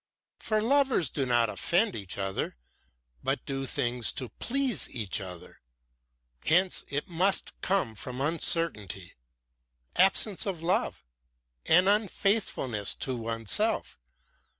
For lovers do not offend each other, but do things to please each other. Hence it must come from uncertainty, absence of love, and unfaithfulness to oneself.